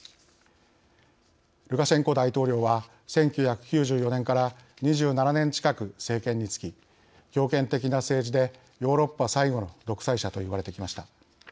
ルカシェンコ大統領は１９９４年から２７年近く政権につき強権的な政治でヨーロッパ最後の独裁者と言われてきました。